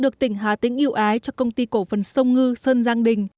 được tỉnh hà tĩnh yêu ái cho công ty cổ phần sông ngư sơn giang đình